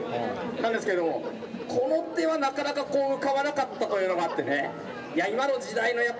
なんですけどこの手はなかなかこう浮かばなかったというのがあってねいや